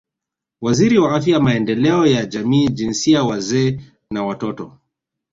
Waziri wa Afya Maendeleo ya Jamii Jinsia Wazee na Watoto